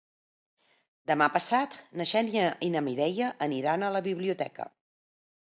Demà passat na Xènia i na Mireia aniran a la biblioteca.